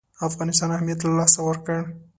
افغانستان اهمیت له لاسه ورکړ.